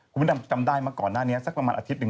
คุณผู้ชมจำได้มาก่อนหน้านี้สักประมาณอาทิตย์หนึ่ง